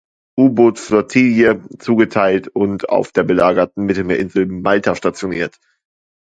U-Boot-Flottille zugeteilt und auf der belagerten Mittelmeerinsel Malta stationiert.